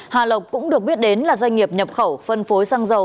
hà lộc cũng được biết đến là doanh nghiệp nhập khẩu phân phối xăng dầu